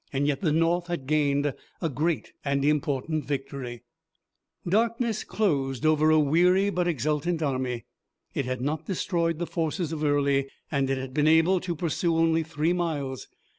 Yet the North had gained a great and important victory. Darkness closed over a weary but exultant army. It had not destroyed the forces of Early, and it had been able to pursue only three miles.